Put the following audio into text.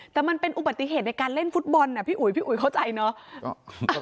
แต่มันเป็นอุบัติเหตุในการเล่นฟุตบอลนะพี่อุ๋ยพี่อุ๋ยเข้าใจเนาะ